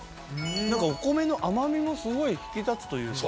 なんかお米の甘みもスゴい引き立つというか。